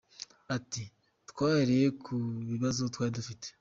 Ati: “Twahereye ku bibazo twari dufite.